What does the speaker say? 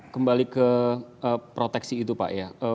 kembali ke proteksi itu pak ya